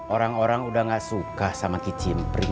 orang orang udah gak suka sama kicimpring